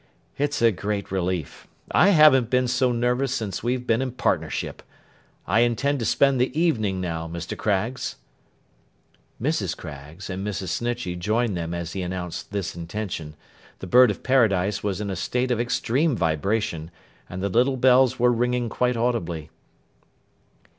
'It's a great relief. I haven't been so nervous since we've been in partnership. I intend to spend the evening now, Mr. Craggs.' Mrs. Craggs and Mrs. Snitchey joined them as he announced this intention. The Bird of Paradise was in a state of extreme vibration, and the little bells were ringing quite audibly.